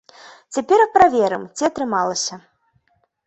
Цяпер праверым, ці атрымалася.